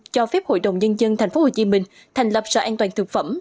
cho phép hội đồng nhân dân tp hcm thành lập sở an toàn thực phẩm